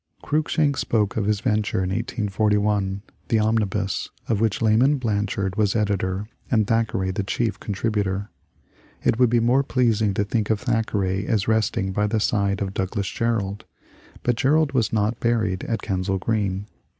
Cruikshank spoke of his venture in 1841, " The Omnibus,'* of which Laman Blanchard was editor and Thackeray the chief contributor. " It would be more pleasing to think of Thackeray as resting by the side of Douglas Jerrold, but Jer rold was not buried at Kensal Green.